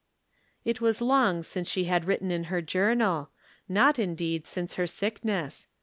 It was long since she had written in her Jour nal — not, indeed, since her sickness.